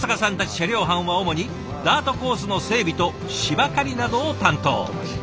車両班は主にダートコースの整備と芝刈りなどを担当。